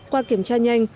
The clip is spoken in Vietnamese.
qua kiểm tra nhanh